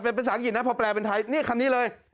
เป็นภาษาอังกฤษนะพอแปลเป็นไทยนี่คำนี้เลย